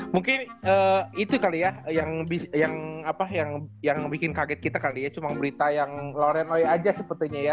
mungkin itu kali ya yang bikin kaget kita kali ya cuma berita yang lawren oy aja sepertinya ya